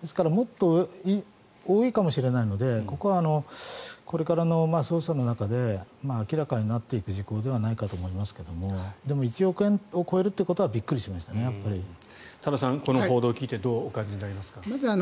ですからもっと多いかもしれないのでここは、これからの捜査の中で明らかになっていく事項ではないかと思いますがでも１億円を超えるということはやっぱりびっくりしましたね。